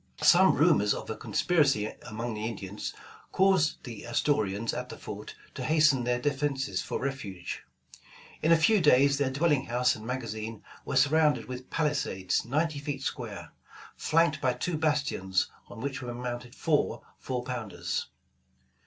Some rumors of a conspiracy among the Indians, caused the Astorians at the fort to hasten their de fenses for refuge. In a few days their dwelling house and magazine were surrounded with palisades ninety feet square, flanked by two bastions on which were mounted four, four pounders.